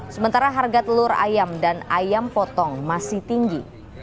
sementara harga telur ayam dan ayam potong masih tinggi